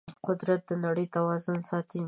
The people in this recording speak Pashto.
قدرت د نړۍ توازن ساتي.